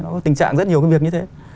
nó có tình trạng rất nhiều cái việc như thế